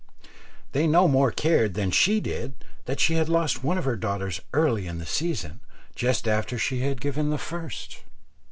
They no more cared than she did, that she had lost one of her daughters early in the season, just after she had given the first.